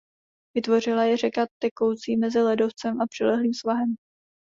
Vytvořila je řeka tekoucí mezi ledovcem a přilehlým svahem.